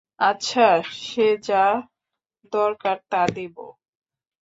আচ্ছা, সে যা দরকার তা দেব।